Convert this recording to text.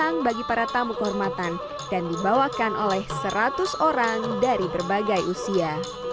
datang bagi para tamu kehormatan dan dibawakan oleh seratus orang dari berbagai usia